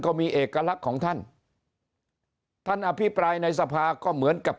ก็มีเอกลักษณ์ของท่านท่านอภิปรายในสภาก็เหมือนกับ